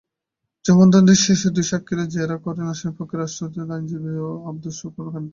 জবানবন্দি শেষে দুই সাক্ষীকেই জেরা করেন আসামিপক্ষে রাষ্ট্রনিযুক্ত আইনজীবী আবদুস শুকুর খান।